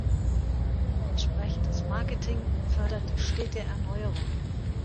Entsprechendes Marketing fördert die stete Erneuerung.